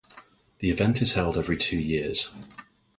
The event is held every two years.